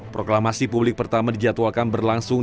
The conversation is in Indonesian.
proklamasi publik pertama dijadwalkan berlangsung